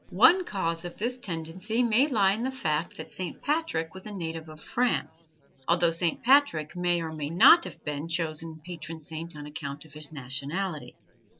One cause of this tendency may lie in the fact that Saint Patrick was a native of France; although Saint Patrick may or may not have been chosen patron saint on account of his nationality.